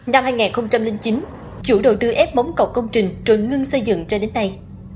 năm hai nghìn chín chủ đầu tư ép bóng cầu công trình rồi ngưng xây dựng cho đến nay